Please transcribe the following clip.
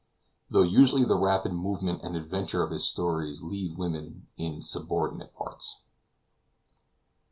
Though usually the rapid movement and adventure of his stories leave women in subordinate parts.